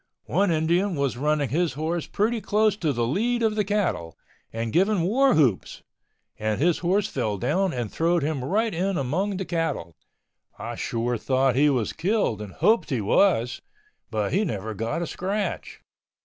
One Indian was running his horse pretty close to the lead of the cattle and giving war whoops, and his horse fell down and throwed him right in among the cattle. I sure thought he was killed and hoped he was, but he never got a scratch.